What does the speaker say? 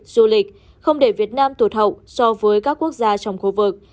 du lịch không để việt nam tụt hậu so với các quốc gia trong khu vực